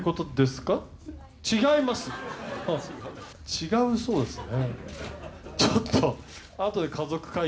違うそうですね。